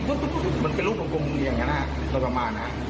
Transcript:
บุธทุนมันจะลุดอย่างงี้นะ